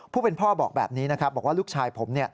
ผู้เป็นพ่อบอกแบบนี้นะครับบอกว่าลูกชายผม